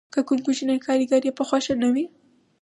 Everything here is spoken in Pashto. که کوم کوچنی کارګر یې په خوښه نه وي